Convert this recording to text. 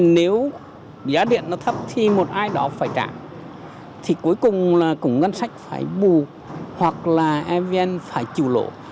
nếu giá điện nó thấp thì một ai đó phải trả thì cuối cùng là cũng ngân sách phải bù hoặc là evn phải chủ lộ